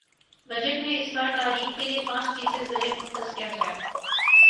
budget میں اس بار تعلیم کے لیے پانچ فیصد بجٹ مختص کیا جائے